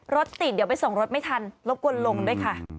รถติดเดี๋ยวไปส่งรถไม่ทันรบกวนลงด้วยค่ะ